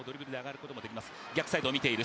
逆サイドを見ている。